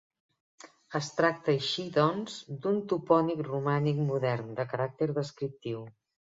Es tracta així, doncs, d'un topònim romànic modern, de caràcter descriptiu.